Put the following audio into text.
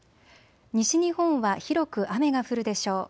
西日本は広く雨が降るでしょう。